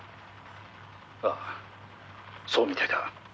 「ああそうみたいだ」